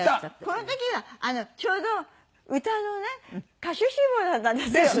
この時はちょうど歌のね歌手志望だったんですよ。